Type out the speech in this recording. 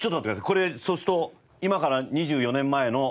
これそうすると今から２４年前の。